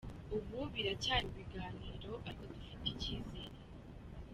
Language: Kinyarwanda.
Ubu biracyari mu biganiro ariko dufite icyizere.